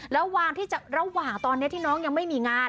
ระหว่างตอนนี้ที่น้องยังไม่มีงาน